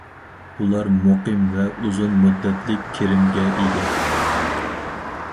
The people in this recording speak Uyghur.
ئۇلار مۇقىم ۋە ئۇزۇن مۇددەتلىك كىرىمگە ئىگە.